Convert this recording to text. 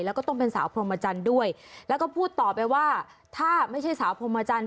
แล้วก็ต้องเป็นสาวพรมจันทร์ด้วยแล้วก็พูดต่อไปว่าถ้าไม่ใช่สาวพรมจันทร์